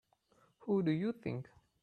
Who do you think?